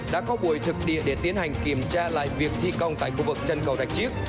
đã có buổi thực địa để tiến hành kiểm tra lại việc thi công tại khu vực chân cầu rạch chiếc